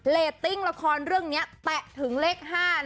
ติ้งละครเรื่องนี้แตะถึงเลข๕